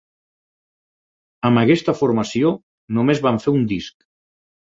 Amb aquesta formació només van fer un disc.